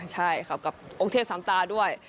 ใช่ครับกับองค์เทพสามตาด้วย